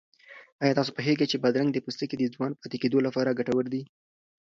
آیا تاسو پوهېږئ چې بادرنګ د پوستکي د ځوان پاتې کېدو لپاره ګټور دی؟